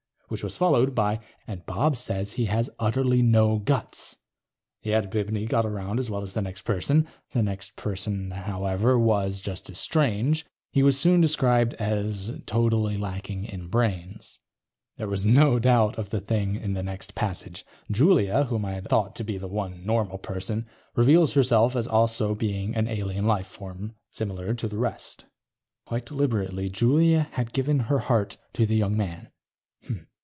_ Which was followed by: ... and Bob says he has utterly no guts. Yet Bibney got around as well as the next person. The next person, however, was just as strange. He was soon described as: ... totally lacking in brains. There was no doubt of the thing in the next passage. Julia, whom I had thought to be the one normal person, reveals herself as also being an alien life form, similar to the rest: _... quite deliberately, Julia had given her heart to the young man.